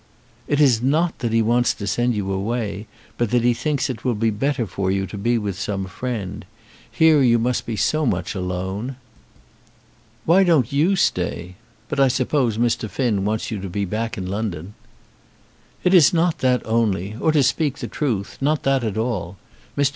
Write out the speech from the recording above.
"It is not that he wants to send you away, but that he thinks it will be better for you to be with some friend. Here you must be so much alone." "Why don't you stay? But I suppose Mr. Finn wants you to be back in London." "It is not that only, or, to speak the truth, not that at all. Mr.